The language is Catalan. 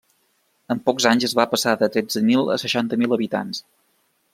En pocs anys es va passar de tretze mil a seixanta mil habitants.